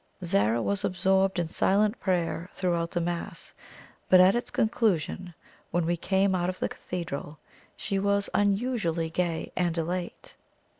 Zara was absorbed in silent prayer throughout the Mass; but at its conclusion, when we came out of the cathedral, she was unusually gay and elate.